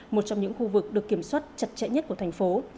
một trong những khu vực được kiểm soát chặt chẽ nhất của thành phố